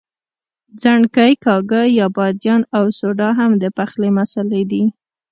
ځڼکۍ، کاږه یا بادیان او سوډا هم د پخلي مسالې دي.